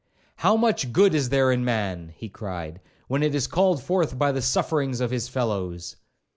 'How much good there is in man,' he cried, 'when it is called forth by the sufferings of his fellows!'